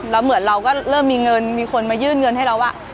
แล้วเหมือนเราก็เริ่มมีเงินมีคนมายื่นเงินให้เราว่า